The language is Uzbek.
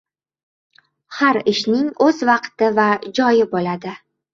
• Har ishning o‘z vaqti va joyi bo‘ladi.